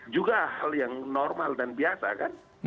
juga hal yang normal dan biasa kan